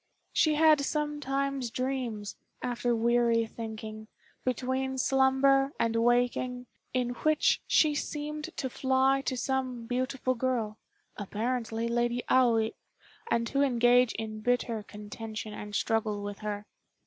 She had sometimes dreams, after weary thinking, between slumber and waking, in which she seemed to fly to some beautiful girl, apparently Lady Aoi, and to engage in bitter contention and struggle with her.